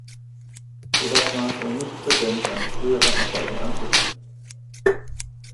Jedoch war es ihr nicht vergönnt, an frühere Erfolge anzuknüpfen.